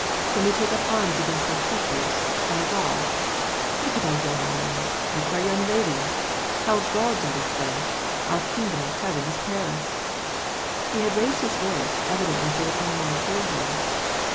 " Can we take up arms against our t eachers — our gods ? Look at our young men ! Look at our young ladies ! Our gods are the French ! our kingdom of heaven is Paris !" He had raised his voice, evidently so that all might hear him.